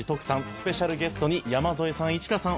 スペシャルゲストに山添さん市川さん